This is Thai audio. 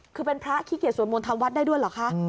คือเป็นพระขี้เกียจสวดมนต์ทำวัดได้ด้วยเหรอคะ